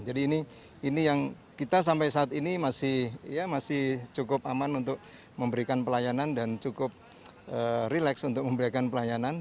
jadi ini yang kita sampai saat ini masih cukup aman untuk memberikan pelayanan dan cukup relax untuk memberikan pelayanan